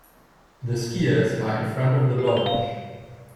The skiers are in front of the lodge.